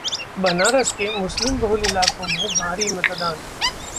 बनारस के मुस्लिम बहुल इलाकों में भारी मतदान